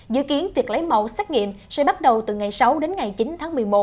dự kiến việc lấy mẫu xét nghiệm sẽ bắt đầu từ ngày sáu đến ngày chín tháng một mươi một